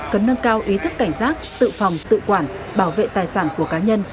cần nâng cao ý thức cảnh giác tự phòng tự quản bảo vệ tài sản của cá nhân